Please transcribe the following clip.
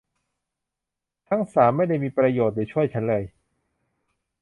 ทั้งสามไม่ได้มีประโยชน์หรือช่วยฉันเลย